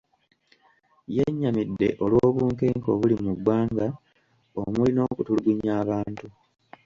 Yennyamidde olw’obunkenke obuli mu ggwanga omuli n’okutulugunya abantu.